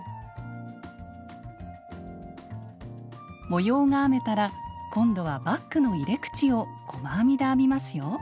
模様が編めたら今度はバッグの入れ口を細編みで編みますよ。